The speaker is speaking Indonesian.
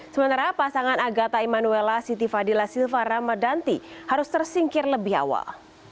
sementara pasangan agata emanuella siti fadila silva ramadanti harus tersingkir lebih awal